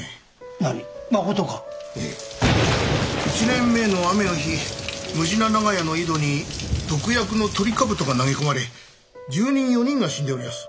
１年前の雨の日むじな長屋の井戸に毒薬のトリカブトが投げ込まれ住人４人が死んでおりやす。